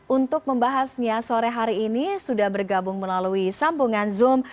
untuk membahasnya sore hari ini sudah bergabung melalui sambungan zoom